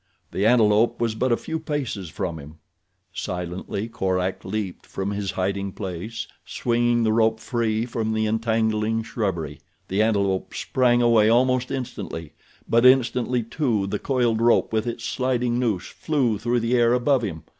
The antelope was but a few paces from him. Silently Korak leaped from his hiding place swinging the rope free from the entangling shrubbery. The antelope sprang away almost instantly; but instantly, too, the coiled rope, with its sliding noose, flew through the air above him.